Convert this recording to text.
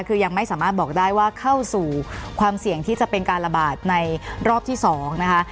คือยังไม่สามารถบอกได้ว่าเข้าสู่ความเสี่ยงที่จะเป็นการระบาดในรอบที่๒นะคะ